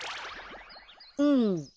うん。